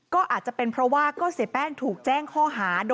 ก็อาจจะเป็นเพราะว่าก็เสียแป้งถูกแจ้งข้อหา